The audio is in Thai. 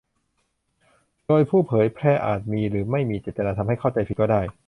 โดยผู้เผยแพร่อาจมีหรือไม่มีเจตนาทำให้เข้าใจผิดก็ได้